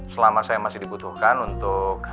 selama saya masih dibutuhkan untuk